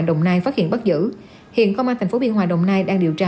đồng nai phát hiện bắt giữ hiện công an thành phố biên hòa đồng nai đang điều tra